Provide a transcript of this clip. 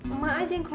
emak aja yang keluarga